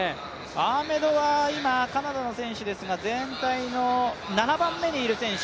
アーメドはカナダの選手ですが全体の７番目にいる選手